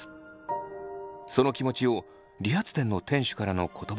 その気持ちを理髪店の店主からの言葉で理解します。